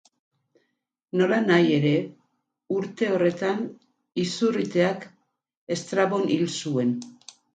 Nolanahi ere, urte horretan izurriteak Estrabon hil zuen.